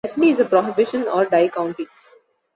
Leslie is a prohibition or dry county.